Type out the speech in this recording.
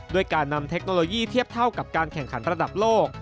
ด้วยการนำเทคโนโลยีเทียบเท่ากับการแข่งขันระดับโลก